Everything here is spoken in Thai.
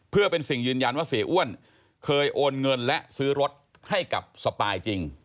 เพื่อเป็นสิ่งยืนยันว่าเสียอ้วนเคยโอนเงินและซื้อรถให้กับสปายจริง